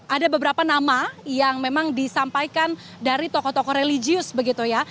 ada beberapa nama yang memang disampaikan dari tokoh tokoh religius begitu ya